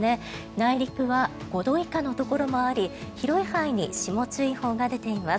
内陸は５度以下のところもあり広い範囲に霜注意報が出ています。